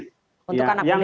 untuk anak muda